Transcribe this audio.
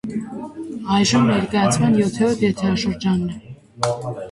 Այժմ ներկայացման յոթերորդ եթերաշրջանն է։